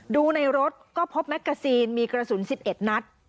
ดูในรถก็พบแมกกาซีนมีกระสุน๑๑นัด